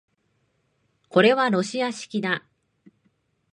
これはロシア式だ